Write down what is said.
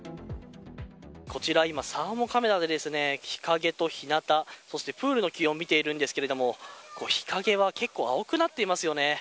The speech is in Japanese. こちら今、サーモカメラで日陰と日なた、そしてプールの気温を見ているんですけれども日陰は結構青くなっていますよね。